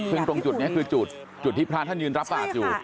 ซึ่งตรงจุดนี้คือจุดที่พระท่านยืนรับบาทอยู่